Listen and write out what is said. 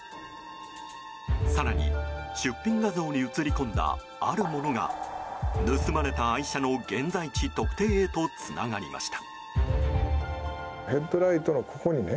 更に、出品画像に写り込んだあるものが盗まれた愛車の現在地特定へとつながりました。